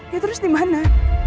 ya terus dimana